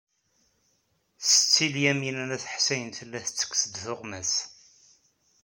Setti Lyamina n At Ḥsayen tella tettekkes-d tuɣmas.